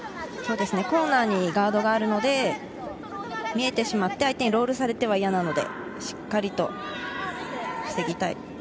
コーナーにガードがあるので、見えてしまって、相手にロールされては嫌なのでしっかり防ぎたい。